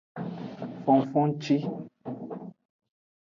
Fofongci.